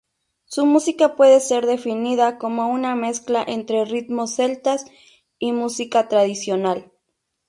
Su música puede ser definida como una mezcla entre ritmos celtas y música tradicional.